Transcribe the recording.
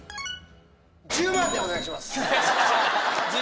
１０万でお願いします。